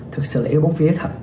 thực sự là yếu bóng vía thật